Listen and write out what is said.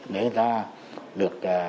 để ta được